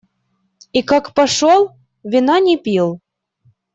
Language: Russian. И как пошел, вина не пил.